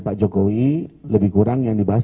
pak jokowi lebih kurang yang dibahas